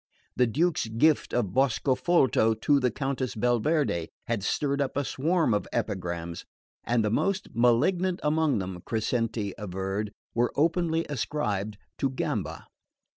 The Duke's gift of Boscofolto to the Countess Belverde had stirred up a swarm of epigrams, and the most malignant among them, Crescenti averred, were openly ascribed to Gamba.